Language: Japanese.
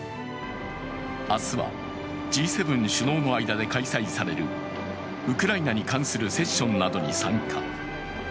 明日はＧ７首脳の間で開催されるウクライナに関するセッションなどに参加。